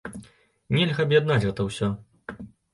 Нельга аб'яднаць гэта ўсё.